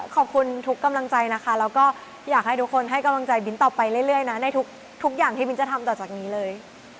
ขอบคุณทุกกำลังใจนะคะแล้วก็อยากให้ทุกคนให้กำลังใจบินต่อไปเรื่อยนะในทุกอย่างที่บินจะทำต่อจากนี้เลย